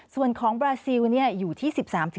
ส่วนของบราซิลอยู่ที่๑๓๑